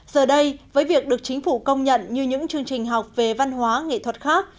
giờ đây với việc được chính phủ công nhận như những chương trình học về văn hóa nghệ thuật khác